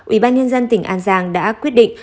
ủy ban nhân dân tỉnh an giang đã quyết định